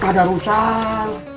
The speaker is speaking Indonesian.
kalau masuk wrong way